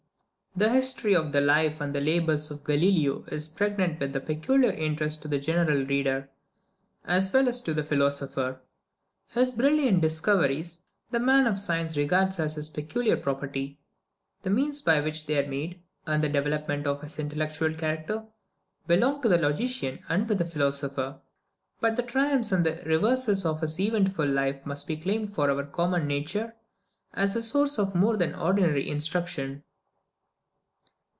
_ The history of the life and labours of Galileo is pregnant with a peculiar interest to the general reader, as well as to the philosopher. His brilliant discoveries, the man of science regards as his peculiar property; the means by which they were made, and the development of his intellectual character, belong to the logician and to the philosopher; but the triumphs and the reverses of his eventful life must be claimed for our common nature, as a source of more than ordinary instruction.